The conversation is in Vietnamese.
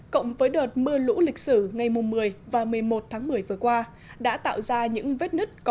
cộng với đợt mưa lũ lịch sử ngày một mươi và một mươi một tháng một mươi vừa qua đã tạo ra những vết nứt